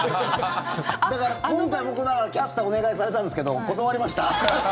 だから今回僕がキャスターお願いされたんですけど断りました。